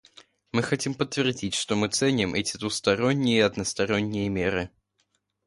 Мы хотим подтвердить, что мы ценим эти двусторонние и односторонние меры.